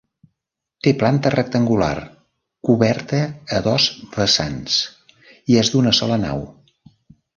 Té planta rectangular, coberta a dos vessants i és d'una sola nau.